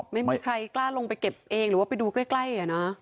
ไม่มีใครกล้าลงไปเก็บเองหรือว่าไปดูใกล้